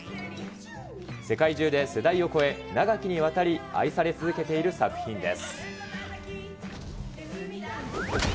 世界中で世代を超え、長きにわたり愛され続けている作品です。